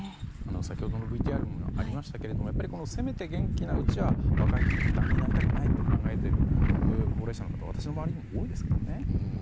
先ほどのＶＴＲにもありましたけどやっぱりせめて元気なうちは若い人の負担になりたくないと考えている高齢者は私の周りにも多いですけどね。